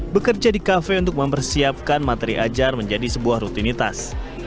bekerja di kafe untuk mempersiapkan materi ajar menjadi sebuah rutinitas